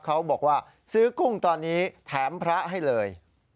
เขาบอกว่าซื้อกุ้งตอนนี้แถมพระให้เลย